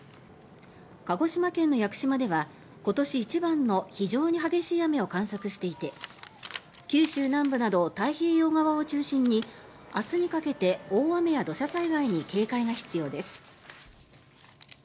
鹿児島県の屋久島では今年一番の非常に激しい雨を観測していて九州南部など太平洋側を中心に明日にかけて大雨や土砂災害に警戒が必要です。